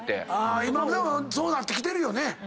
今でもそうなってきてるよね。